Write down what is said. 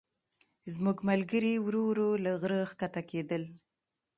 زموږ ملګري ورو ورو له غره ښکته کېدل.